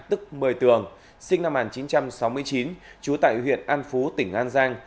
tức một mươi tường sinh năm một nghìn chín trăm sáu mươi chín trú tại huyện an phú tỉnh an giang